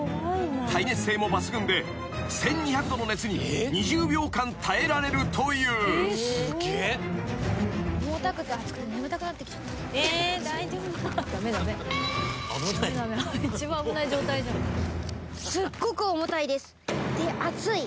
［耐熱性も抜群で１，２００℃の熱に２０秒間耐えられるという］で暑い。